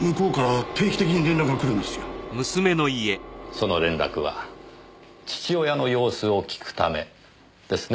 その連絡は父親の様子を聞くためですね？